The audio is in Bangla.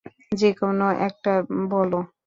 যেকোন একটা বলো।